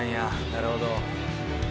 なるほど。